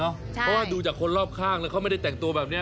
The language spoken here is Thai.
เพราะว่าดูจากคนรอบข้างแล้วเขาไม่ได้แต่งตัวแบบนี้